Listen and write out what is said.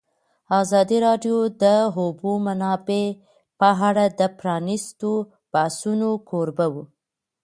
ازادي راډیو د د اوبو منابع په اړه د پرانیستو بحثونو کوربه وه.